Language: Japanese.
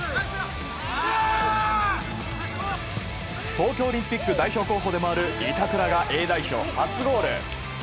東京オリンピック代表候補でもある板倉がＡ代表初ゴール。